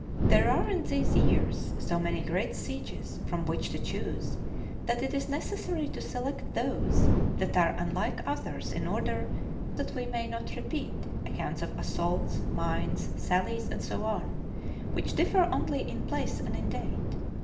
There are in these years so many great sieges from which to choose that it is necessary to select those that are unlike others in order that we may not repeat ac counts of assaults, mines, sallies, and so on — which differ only in place and in date.